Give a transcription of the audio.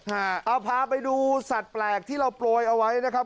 เอาพาไปดูสัตว์แปลกที่เราโปรยเอาไว้นะครับ